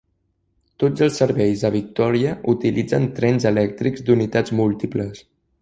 Tots els serveis a Victoria utilitzen trens elèctrics d'unitats múltiples.